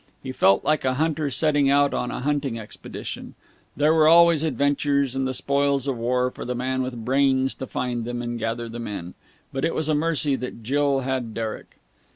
He felt like a hunter setting out on a hunting expedition. There were always adventures and the spoils of war for the man with brains to find them and gather them in. But it was a mercy that Jill had Derek....